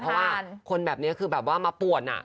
เพราะว่าคนแบบนี้คือแบบว่ามาป่วน